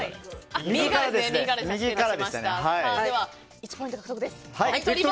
１ポイント獲得です。